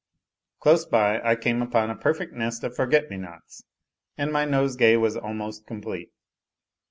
Close by I came upon a perfect nest of forget me nots, and my nosegay was almost complete.